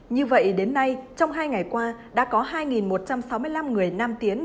như vậy đến nay trong hai ngày qua đã có hai một trăm sáu mươi năm người nam tiến